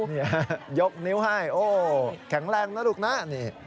นี่ยกนิ้วให้โอ้แข็งแรงน่ะลูกน่ะ